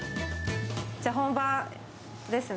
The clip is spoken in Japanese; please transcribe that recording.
じゃあ、本番ですね。